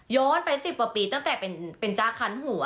ย้อนไป๑๐ปีตั้งแต่เป็นจ๊ะคันหัว